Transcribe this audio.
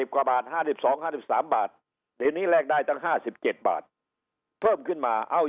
กว่าบาท๕๒๕๓บาทเดี๋ยวนี้แลกได้ตั้ง๕๗บาทเพิ่มขึ้นมาเอา